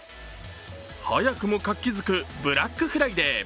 早く活気づくブラックフライデー。